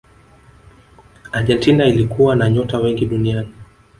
argentina ilikuwa na nyota wengi duniani